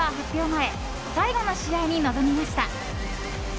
前最後の試合に臨みました。